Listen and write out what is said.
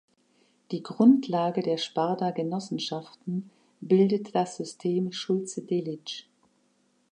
Die Grundlage der Sparda-Genossenschaften bildet das System Schulze-Delitzsch.